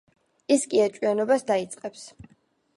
ის კი ეჭვიანობას დაიწყებს.